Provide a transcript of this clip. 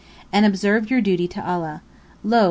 And keep your duty to Allah. Lo!